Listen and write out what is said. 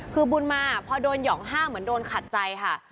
คือบุญมาพอโดนหย่องห้างเหมือนโดนขัดใจค่ะ